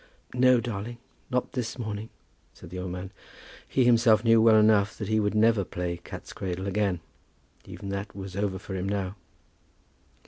"No, darling, not this morning," said the old man. He himself knew well enough that he would never play cat's cradle again. Even that was over for him now.